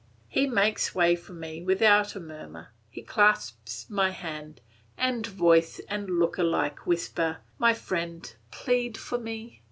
He makes way for me without a murmur, he clasps my hand, and voice and look alike whisper, "My friend, plead for me!"